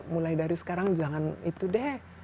mulai dari sekarang jangan itu deh